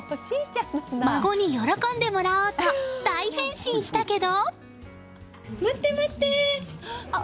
孫に喜んでもらおうと大変身したけど。